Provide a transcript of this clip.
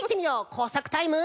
こうさくタイム。